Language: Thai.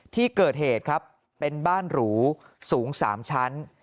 ที่เกิดเหตุครับเป็นบ้านหรูสูง๓ชั้น